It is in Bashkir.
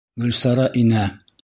Гөлсара инә.